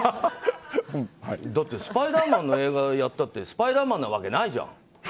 だって「スパイダーマン」の映画やったってスパイダーマンなわけないじゃん。